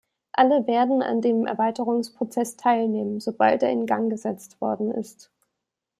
Alle werden an dem Erweiterungsprozess teilnehmen, sobald er in Gang gesetzt worden ist.